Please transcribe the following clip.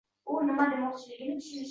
Kimdir aytmay ketgan so‘z...